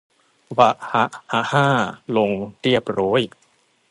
วะฮะฮะฮ่า ลง เรียบโร้ย